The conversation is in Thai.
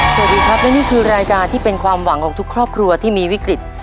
สวัสดีครับและนี่คือรายการที่เป็นความหวังของทุกครอบครัวที่มีวิกฤต